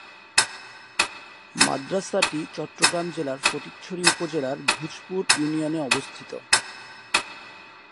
মাদ্রাসাটি চট্টগ্রাম জেলার ফটিকছড়ি উপজেলার ভূজপুর ইউনিয়নে অবস্থিত।